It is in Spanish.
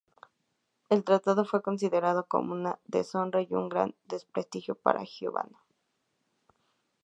El tratado fue considerado como una deshonra y un gran desprestigio para Joviano.